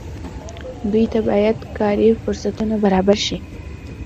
دوی ته باید کاري فرصتونه برابر شي.